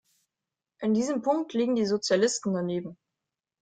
In diesem Punkt liegen die Sozialisten daneben.